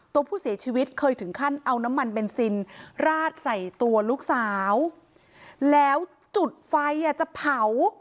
ตัวผู้เสียชีวิตเคยถึงขั้นเอาน้ำมันเบนซินราดใส่ตัวลูกสาวแล้วจุดไฟจะเผา